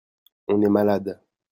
On est malade.